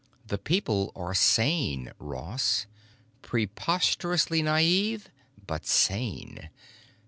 Those people are sane, Ross. Preposterously naive, but sane!